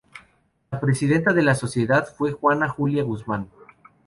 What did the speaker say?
La presidenta de la Sociedad fue Juana Julia Guzmán.